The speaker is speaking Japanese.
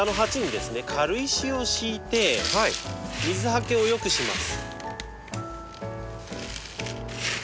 軽石を敷いて水はけを良くします。